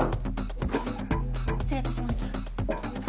失礼いたします。